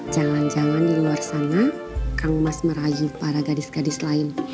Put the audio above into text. jangan jangan di luar sana kang mas meraju para gadis gadis lain